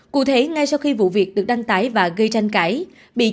cụ thể ngay sau khi vụ việc được đăng tải và gây tranh cãi